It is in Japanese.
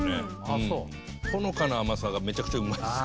ほのかな甘さがめちゃくちゃうまいです。